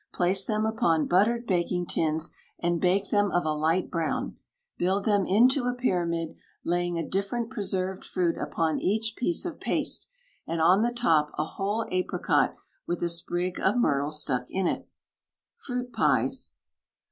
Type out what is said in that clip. Place them upon buttered baking tins, and bake them of a light brown. Build them into a pyramid, laying a different preserved fruit upon each piece of paste, and on the top a whole apricot with a sprig of myrtle stuck in it. FRUIT PIES.